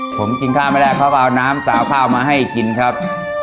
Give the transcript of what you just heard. ผมกินข้าวไม่ได้เขาก็เอาน้ำสาวข้าวมาให้กินครับ